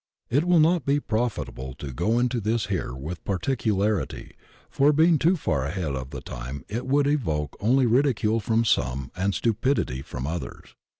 It will not be profitable to go into this here with particularity, for being too far ahead of the time it would evoke only ridicule from some and stupidity from others.